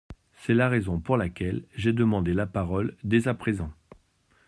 C’est la raison pour laquelle j’ai demandé la parole dès à présent.